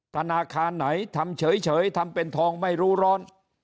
ธนาคารไหนทำเฉยทำเป็นทองไม่รู้ร้อน